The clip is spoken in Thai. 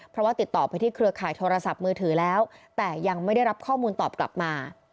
เพราะว่าติดต่อไปที่เครือข่ายโทรศัพท์มือถือแล้วแต่ยังไม่ได้รับข้อมูลตอบกลับมา